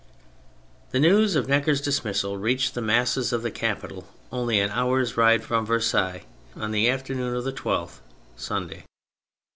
The news of Necker's dismissal reached the masses of the capital (only an hour's ride from Versailles) on the afternoon of the 12th, Sunday.